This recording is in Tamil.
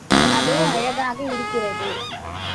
அதோ அழகாக இருக்கிறது.